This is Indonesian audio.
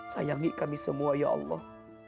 sayangi kami semua ya allah